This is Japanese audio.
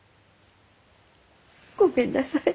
ごめんなさい。